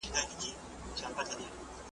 کندارۍ ملالې دا خبر ریښتیا ده